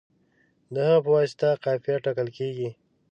د هغه په واسطه قافیه ټاکل کیږي.